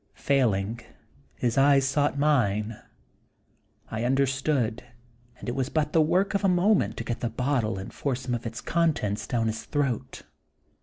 Failing, his eyes sought mine ; I understood, and it was but the work of a moment to get the bottle and force some of its contents down his throat.